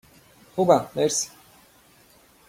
خوبم، مرسی.